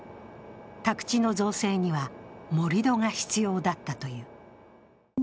宅地の造成には盛り土が必要だったという。